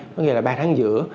có nghĩa là ba tháng giữa